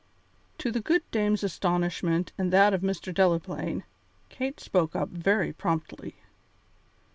To the good Dame's astonishment and that of Mr. Delaplaine, Kate spoke up very promptly.